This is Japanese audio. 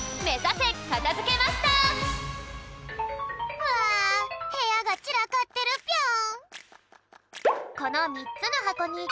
うわへやがちらかってるぴょん。